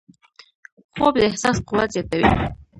خوب د احساس قوت زیاتوي